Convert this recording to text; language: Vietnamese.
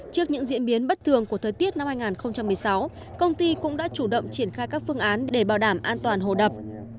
trước những diễn biến bất thường của thời tiết năm hai nghìn một mươi sáu công ty cũng đã chủ động triển khai các phương án để bảo đảm an toàn hồ đập